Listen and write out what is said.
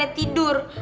mereka itu bohong